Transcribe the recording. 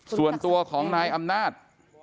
ส่วนตัวของนายอำนาจ